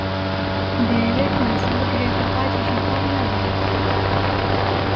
دەیەوێت ماسی بگرێت و قاچیشی تەڕ نەبێت.